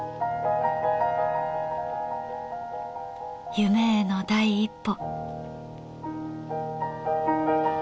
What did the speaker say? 夢への第一歩。